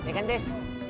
iya kan tis